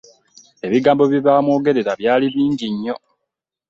Ebigambo bye baamwogerera byali bingi nnyo.